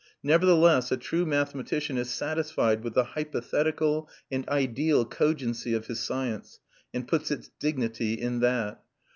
Nevertheless a true mathematician is satisfied with the hypothetical and ideal cogency of his science, and puts its dignity in that.